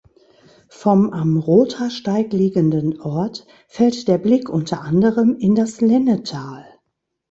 Vom am Rothaarsteig liegenden Ort fällt der Blick unter anderem in das Lennetal.